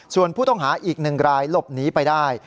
ส่วนผู้ต้องหาอีก๑รายหลบหนีไปได้